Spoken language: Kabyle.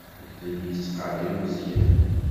La d-yettqerrib Meẓyan.